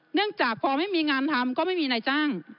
เนื่องจากพอไม่มีงานทำก็ไม่มีนายจ้าง